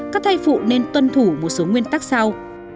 các thai phụ nên tuân thủ một số nguyên tắc sau